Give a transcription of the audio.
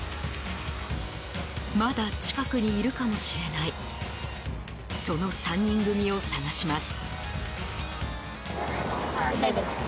まだ近くにいるかもしれないその３人組を捜します。